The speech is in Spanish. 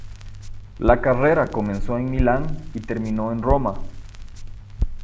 La carrera comenzó en Milán y terminó en Roma.